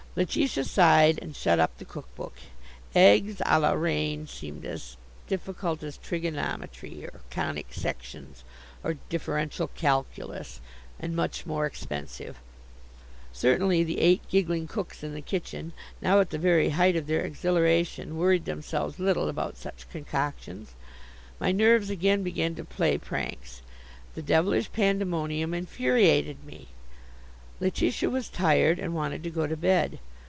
Letitia sighed, and shut up the cook book. Eggs Ã la reine seemed as difficult as trigonometry, or conic sections, or differential calculus and much more expensive. Certainly the eight giggling cooks in the kitchen, now at the very height of their exhilaration, worried themselves little about such concoctions. My nerves again began to play pranks. The devilish pandemonium infuriated me. Letitia was tired and wanted to go to bed.